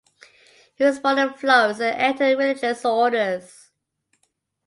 He was born in Florence and entered religious orders.